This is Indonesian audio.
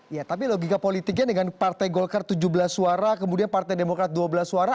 ya tapi logika politiknya dengan partai golkar tujuh belas suara kemudian partai demokrat dua belas suara